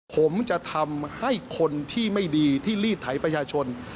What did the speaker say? ผมจะทำให้คนที่ไม่ดีที่ลีดไถประชาชน